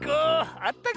あったけ。